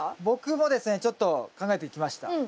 僕もですねちょっと考えてきました。